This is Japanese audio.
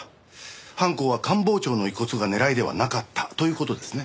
犯行は官房長の遺骨が狙いではなかったという事ですね。